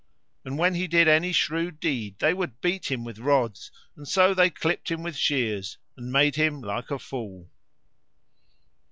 And when he did any shrewd deed they would beat him with rods, and so they clipped him with shears and made him like a fool.